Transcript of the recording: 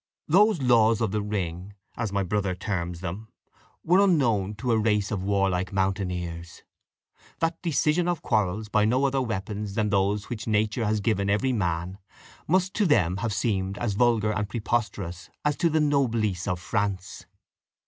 Those laws of the ring, as my brother terms them, were unknown to the race of warlike mountaineers; that decision of quarrels by no other weapons than those which nature has given every man must to them have seemed as vulgar and as preposterous as to the noblesse of France.